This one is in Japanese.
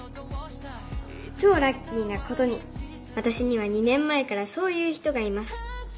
超ラッキーなことに私には２年前からそういう人がいます。